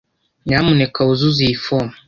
Nyamuneka wuzuze iyi fomu.